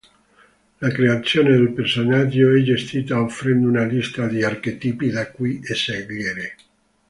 La creazione del personaggio è gestita offrendo una lista di archetipi da cui scegliere.